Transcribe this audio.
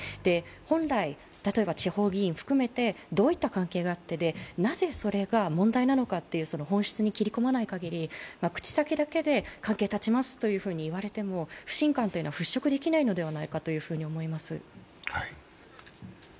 本来、地方議員を含めてどういった関係があって、なぜそれが問題なのかという本質に切り込まない限り、口先だけで関係を絶ちますと言われても不信感というのは払拭できないのではないかと思います。